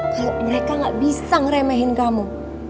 kalau mereka gak bisa ngeremehin kamu